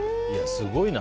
すごいな。